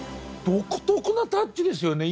独特なタッチですよね